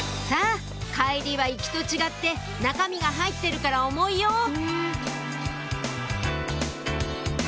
さぁ帰りは行きと違って中身が入ってるから重いよ